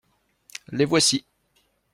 Les voici.